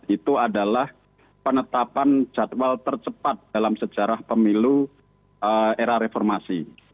itu adalah penetapan jadwal tercepat dalam sejarah pemilu era reformasi